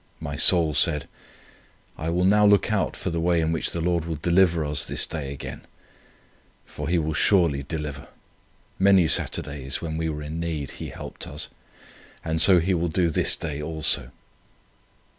My soul said: 'I will now look out for the way in which the Lord will deliver us this day again; for He will surely deliver. Many Saturdays, when we were in need, He helped us, and so He will do this day also.'